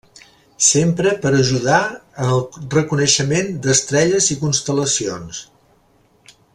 S'empra per ajudar en el reconeixement d'estrelles i constel·lacions.